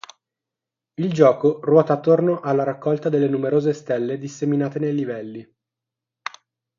Il gioco ruota attorno alla raccolta delle numerose stelle disseminate nei livelli.